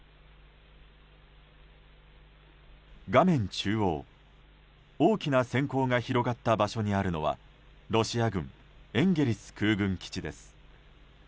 画面の中央大きな閃光が広がった場所にあるのはロシア軍エンゲリス空軍基地です。